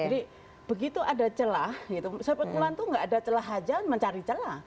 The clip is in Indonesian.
jadi begitu ada celah spekulan itu nggak ada celah saja mencari celah